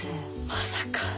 まさか。